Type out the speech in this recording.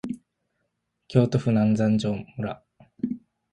京都府南山城村